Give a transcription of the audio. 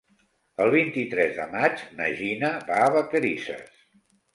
El vint-i-tres de maig na Gina va a Vacarisses.